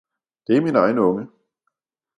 det er min egen unge!